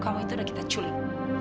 kalau itu udah kita culik